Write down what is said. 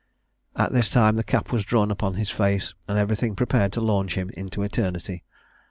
At this time the cap was drawn upon his face, and everything prepared to launch him into eternity.